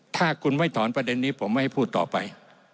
ถ้าคุณไม่ถอนประเด็นนี้ผมไม่ให้พูดต่อไป